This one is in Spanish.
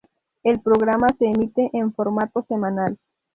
El programa se emite en formato semanal.